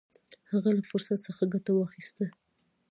هغه له فرصت څخه ګټه واخیسته.